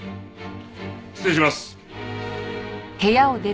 失礼します。